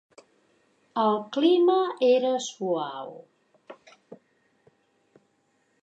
El clima era suau.